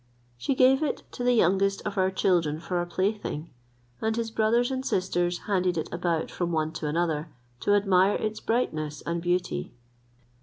She gave it to the youngest of our children for a plaything, and his brothers and sisters handed it about from one to another, to admire its brightness and beauty.